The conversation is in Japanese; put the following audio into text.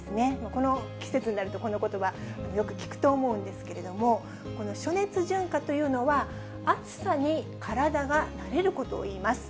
この季節になると、このことば、よく聞くと思うんですけれども、この暑熱順化というのは暑さに体が慣れることをいいます。